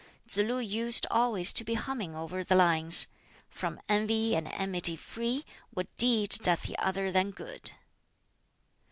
Tsz lu used always to be humming over the lines "From envy and enmity free, What deed doth he other than good?"